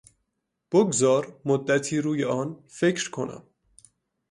بگذار مدتی روی آن فکر کنم.